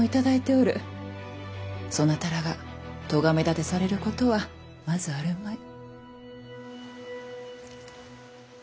そなたらがとがめ立てされることはまずあるまい。